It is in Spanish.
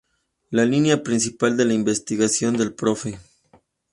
La línea principal de la investigación del Prof.